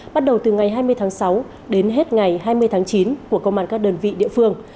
bắt đầu từ ngày hai mươi tháng sáu đến hết ngày hai mươi tháng chín của công an các đơn vị địa phương